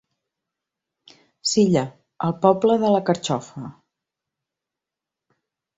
Silla, el poble de la carxofa.